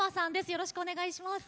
よろしくお願いします。